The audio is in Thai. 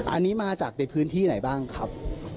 อันนี้มาจากในพื้นที่ไหนบ้างครับ